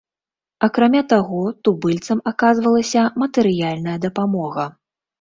Акрамя таго, тубыльцам аказвалася матэрыяльная дапамога.